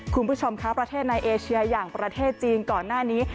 คุณผู้ชมคะประเทศในเอเชียอย่างประเทศจีนก่อนหน้านี้